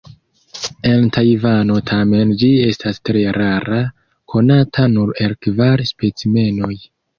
En Tajvano tamen ĝi estas tre rara, konata nur el kvar specimenoj.